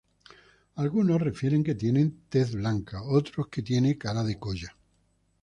Algunos refieren que tiene tez blanca, otros, que tiene cara de colla.